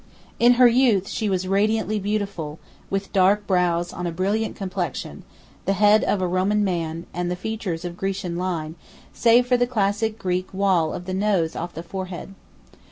In her youth she was radiantly beautiful, with dark brows on a brilliant complexion, the head of a Roman man, and features of Grecian line, save for the classic Greek wall of the nose off the forehead.